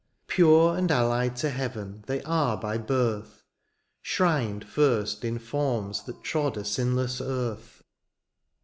Pure and allied to heaven they are by birth^ Shrined first in forms that trod a sinless earth.